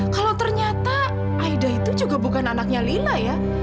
kalau ternyata aida itu juga bukan anaknya lila ya